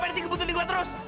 masih kebutuhin gue terus